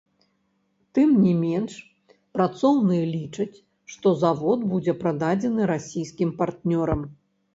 Тым не менш, працоўныя лічаць, што завод будзе прададзены расійскім партнёрам.